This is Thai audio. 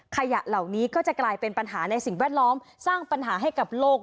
ขยะเหล่านี้ก็จะกลายเป็นปัญหาในสิ่งแวดล้อมสร้างปัญหาให้กับโลก